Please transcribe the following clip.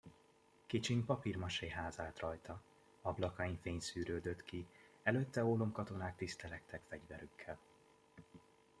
Kicsiny papírmasé ház állt rajta, ablakain fény szűrődött ki, előtte ólomkatonák tisztelegtek fegyverükkel.